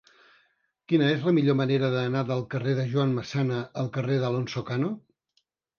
Quina és la millor manera d'anar del carrer de Joan Massana al carrer d'Alonso Cano?